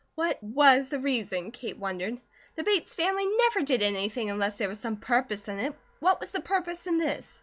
What was the reason, Kate wondered. The Bates family never did anything unless there was some purpose in it, what was the purpose in this?